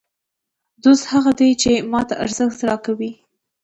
دوست هغه دئ، چي ما ته ارزښت راکوي.